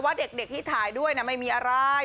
เด็กที่ถ่ายด้วยไม่มีอะไร